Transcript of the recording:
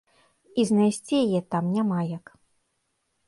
І знайсці яе там няма як.